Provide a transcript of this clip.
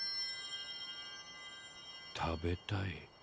食べたい。